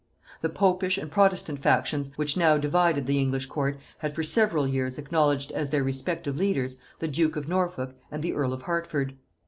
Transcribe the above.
The popish and protestant factions which now divided the English court, had for several years acknowledged as their respective leaders the duke of Norfolk and the earl of Hertford.